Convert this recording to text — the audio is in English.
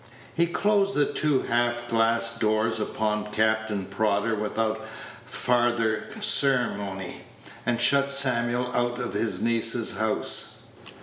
He closed the two half glass doors upon Captain Prodder without farther ceremony, and shut Samuel out of his niece's house.